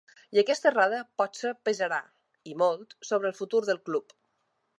I aquesta errada potser pesarà, i molt, sobre el futur del club.